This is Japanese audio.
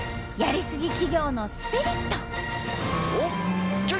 やりすぎ企業のスピリット。